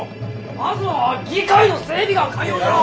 まずは議会の整備が肝要だろう！